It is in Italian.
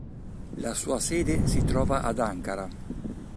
La sua sede si trova ad Ankara.